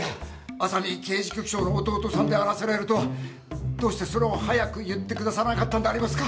浅見刑事局長の弟さんであらせられるとはどうしてそれを早く言ってくださらなかったんでありますか。